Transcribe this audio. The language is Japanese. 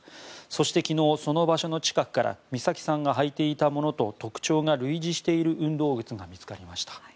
そして、昨日その場所の近くから美咲さんが履いていたものと特徴が類似している運動靴が見つかりました。